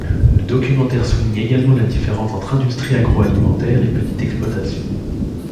Le documentaire souligne également la différence entre industrie agroalimentaire et petite exploitation.